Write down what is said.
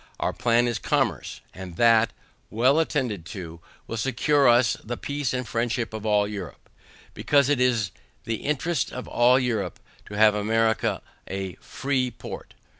Our plan is commerce, and that, well attended to, will secure us the peace and friendship of all Europe; because, it is the interest of all Europe to have America a FREE PORT.